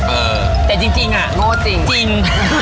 เออแต่จริงจริงอ่ะโง่จริงจริง